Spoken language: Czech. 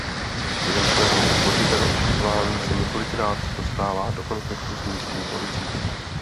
Během svého složitého vyšetřování se několikrát dostává do konfliktu s místní policií.